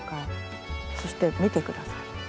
そして見てください。